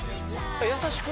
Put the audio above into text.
優しく？